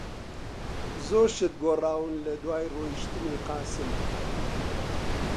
زۆر شت گۆڕاون لەدوای ڕۆیشتنی قاسم.